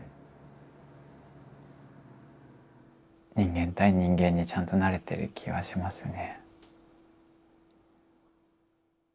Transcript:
人間対人間にちゃんとなれてる気はしますね。